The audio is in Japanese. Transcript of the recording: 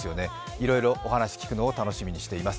いろいろお話聞くのを楽しみにしています。